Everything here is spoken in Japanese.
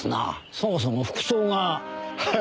そもそも服装が。